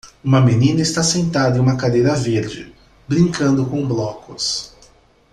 Uma menina está sentada em uma cadeira verde, brincando com blocos.